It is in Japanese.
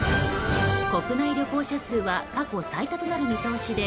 国内旅行者数は過去最多となる見通しで